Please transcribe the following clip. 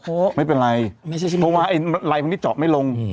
โอ้โฮไม่เป็นไรเพราะว่าไอ้ลายพวกนี้เจาะไม่ลง